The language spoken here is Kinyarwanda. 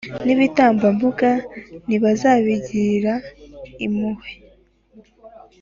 n’ibitambambuga ntibazabigirira impuhwe.